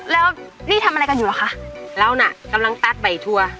แล้วนี่ทำอะไรกันอยู่เหรอคะเราน่ะกำลังตัดใบทัวร์